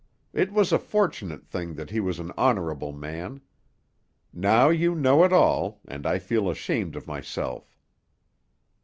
It was a fortunate thing that he was an honorable man. Now you know it all, and I feel ashamed of myself."